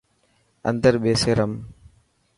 اندر ٻيسي رم.